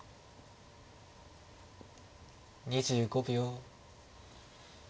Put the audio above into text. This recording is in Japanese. ２５秒。